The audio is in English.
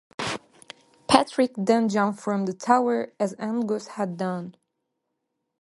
Patrick then jumps from the tower, as Angus had done.